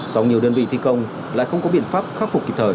sau nhiều đơn vị thi công lại không có biện pháp khắc phục kịp thời